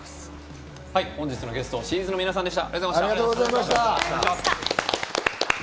本日のゲスト、ＳＨＥ’Ｓの皆さんでした。